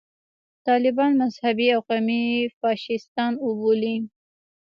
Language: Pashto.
طالبان مذهبي او قومي فاشیستان وبولي.